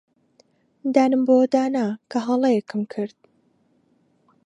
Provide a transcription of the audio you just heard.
دانم بەوەدا نا کە هەڵەیەکم کرد.